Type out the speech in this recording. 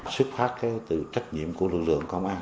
xuất phát từ trách nhiệm của lực lượng công an